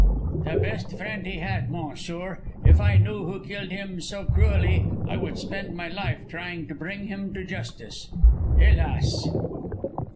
"The best friend he had, monsieur. If I knew who killed him so cruelly, I would spend my life trying to bring him to justice. _Helas!